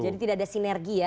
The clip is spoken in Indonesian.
jadi tidak ada sinergi ya